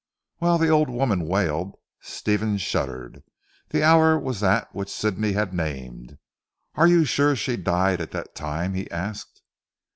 While the old woman wailed on, Stephen shuddered. The hour was that which Sidney had named. "Are you sure she died at that time?" he asked.